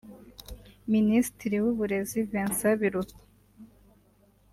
Minisitiri w’uburezi Vincent Biruta